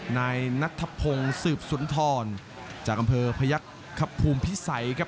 นายนัทพงศ์สืบสุนทรจากอำเภอพยักษ์ครับภูมิพิสัยครับ